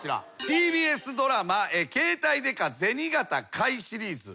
ＴＢＳドラマ『ケータイ刑事銭形海』シリーズ。